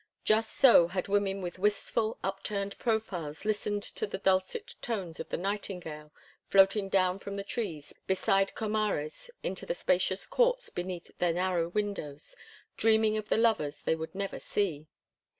Just so had women with wistful, upturned profiles listened to the dulcet notes of the nightingale floating down from the trees beside Comares into the spacious courts beneath their narrow windows, dreaming of the lovers they would never see.